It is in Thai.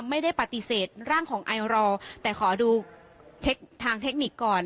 ไม่ได้ปฏิเสธร่างของไอรอแต่ขอดูเทคทางเทคนิคก่อน